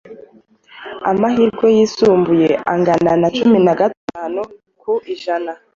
amahirwe yisumbuye angana na cumi na gatanu ku ijana